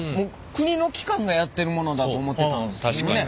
国の機関がやってるものだと思ってたんですけどね